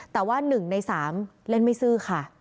แต่ว่า๑ใน๓เล่นไม่ซื่อค่ะ